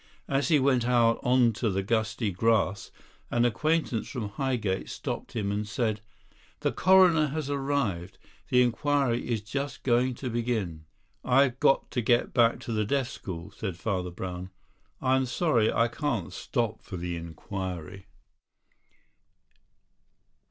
As he went out on to the gusty grass an acquaintance from Highgate stopped him and said: "The Coroner has arrived. The inquiry is just going to begin." "I've got to get back to the Deaf School," said Father Brown. "I'm sorry I can't stop for the inquiry."